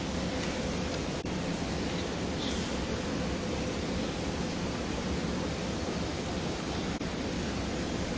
เจ้าจะเป็นให้ท่องต้องจริง